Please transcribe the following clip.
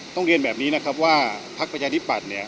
ต้องเรียนแบบนี้ว่าพรรคประชานิปัตร